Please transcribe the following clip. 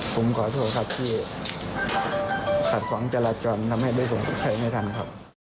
ผมขอโทษครับที่ขัดขวางจราจรทำให้ไม่สงสัยไม่ทันครับ